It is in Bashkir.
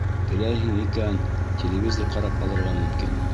Теләйһең икән, телевизор ҡарап алырға мөмкин.